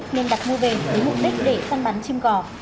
nên đặt mua về với mục đích để săn bắn chim cỏ